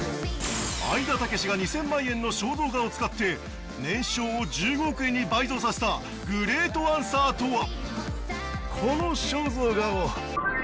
愛田武が２０００万円の肖像画を使って年商を１５億円に倍増させたグレートアンサーとは？